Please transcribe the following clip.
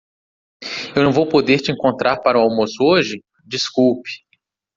Eu não vou poder te encontrar para o almoço hoje? desculpe!